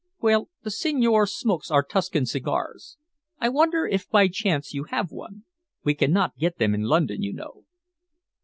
"Well, the signore smokes our Tuscan cigars. I wonder if by chance you have one? We cannot get them in London, you know."